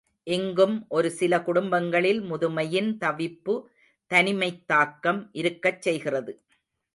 இங்கும் ஒரு சில குடும்பங்களில் முதுமையின் தவிப்பு தனிமைத் தாக்கம் இருக்கச் செய்கிறது.